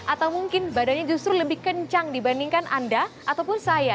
atau mungkin badannya justru lebih kencang dibandingkan anda ataupun saya